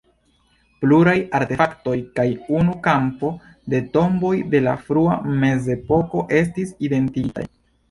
Pluraj artefaktoj kaj unu kampo de tomboj de la frua mezepoko estis identigitaj.